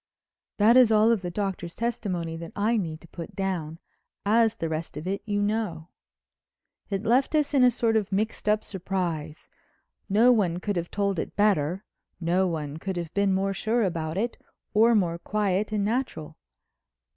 That is all of the Doctor's testimony that I need put down as the rest of it you know. It left us in a sort of mixed up surprise. No one could have told it better, no one could have been more sure about it or more quiet and natural.